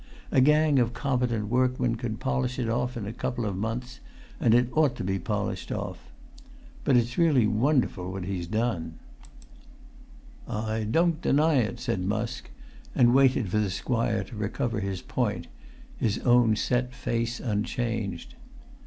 A gang of competent workmen could polish it off in a couple of months; and it ought to be pol[Pg 345]ished off. But it's really wonderful what he has done!" "I don't deny it," said Musk; and waited for the squire to recover his point, his own set face unchanged.